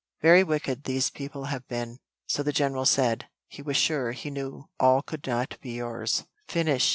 Very wicked these people have been! so the general said; he was sure, he knew, all could not be yours." "Finish!